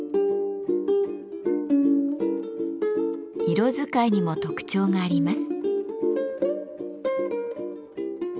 色使いにも特徴があります。